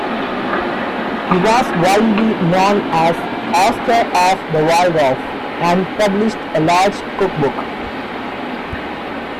He was widely known as "Oscar of the Waldorf" and published a large cookbook.